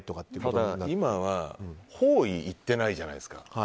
ただ、今は方位言っていないじゃないですか。